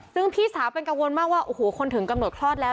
ซึ่งพี่สาวเป็นกังวลมากว่าโอ้โหคนถึงกำหนดคลอดแล้ว